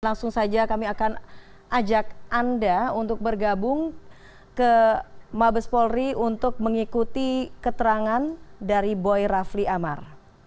langsung saja kami akan ajak anda untuk bergabung ke mabes polri untuk mengikuti keterangan dari boy rafli amar